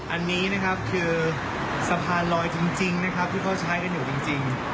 อันนี้นะครับคือสะพานลอยจริงนะครับที่เขาใช้กันอยู่จริง